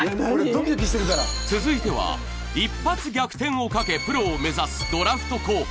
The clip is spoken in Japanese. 続いては、一発逆転をかけてプロを目指すドラフト候補。